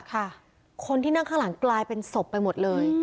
คนที่นั่งข้างหลังกลายเป็นศพไปหมดเลย